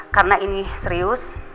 karena ini serius